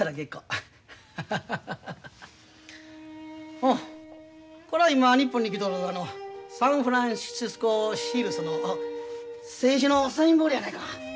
おっこれは今日本に来とるサンフランシスコ・シールスの選手のサインボールやないか。